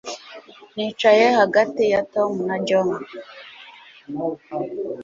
Nicaye hagati ya Tom na John